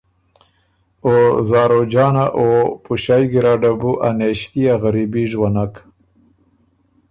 او زاروجانه او پُݭئ ګیرډه بُو ا نېݭتي ا غریبي ژوّنک۔